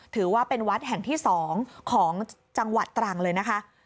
ถือว่าเป็นวัดแห่งที่๒ของจังหวัดตรังเลยนะคะ